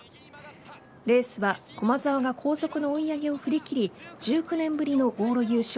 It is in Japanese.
レースは駒澤が後続の追い上げを振り切り１９年ぶりの往路優勝。